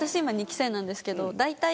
今２期生なんですけど。